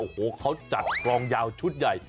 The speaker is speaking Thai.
โอ้โหเขาจัดกลองยาวชุดใหญ่